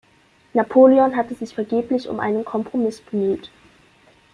Napoleon hatte sich vergeblich um einen Kompromiss bemüht.